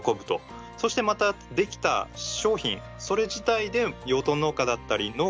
そしてまた出来た商品それ自体で養豚農家だったり農家が喜ぶと。